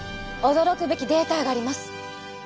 驚くべきデータがあります。